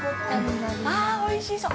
◆おいしい？